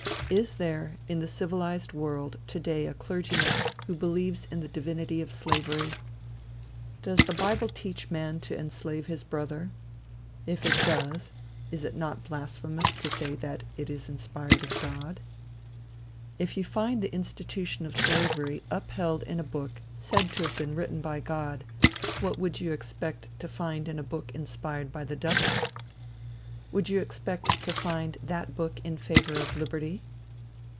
Is there, in the civilized world, today, a clergyman who believes in the divinity of slavery? Does the bible teach man to enslave his brother? If it does, is it not blasphemous to say that it is inspired of God? If you find the institution of slavery upheld in a book said to have been written by God, what would you expect to find in a book inspired by the devil? Would you expect to find that book in favor of liberty?